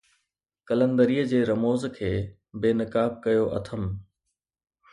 قلندريءَ جي رموز کي بي نقاب ڪيو اٿم